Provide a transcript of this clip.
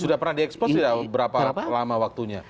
sudah pernah diekspos tidak berapa lama waktunya